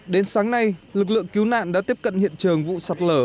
đến sáng nay lực lượng cứu nạn đã tiếp cận hiện trường vụ sạt lở